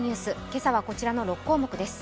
今朝はこちらの６項目です。